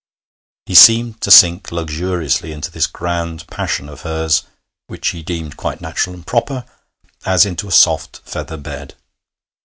He seemed to sink luxuriously into this grand passion of hers (which he deemed quite natural and proper) as into a soft feather bed.